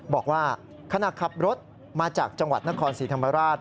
บอกว่าขณะขับรถมาจากจังหวัดนครศรีธรรมราช